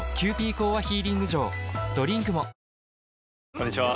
こんにちは。